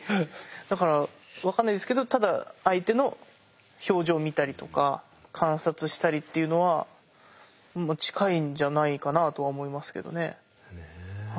だから分かんないですけどただ相手の表情見たりとか観察したりっていうのは近いんじゃないかなとは思いますけどね。